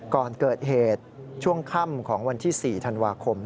ก่อนเกิดเหตุช่วงค่ำของวันที่๔ธันวาคม